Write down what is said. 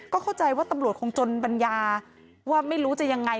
เข้าใจว่าตำรวจคงจนบรรยาว่าไม่รู้จะยังไง